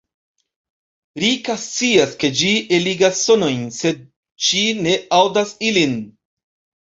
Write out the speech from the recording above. Rika scias, ke ĝi eligas sonojn, sed ŝi ne aŭdas ilin.